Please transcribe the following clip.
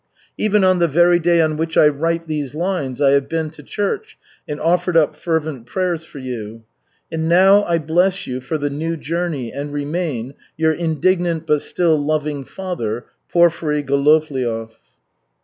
Even on the very day on which I write these lines I have been to church and offered up fervent prayers for you. And now, I bless you for the new journey and remain, your indignant but still loving father, Porfiry Golovliov."